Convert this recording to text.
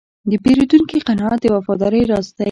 د پیرودونکي قناعت د وفادارۍ راز دی.